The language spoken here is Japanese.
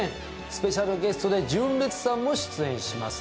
スペシャルゲストで純烈さんも出演記す。